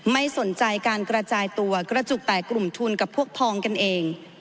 ไม่สนใจการกระจายตัวกระจุกแตกกลุ่มทุนกับพวกพองกันเอง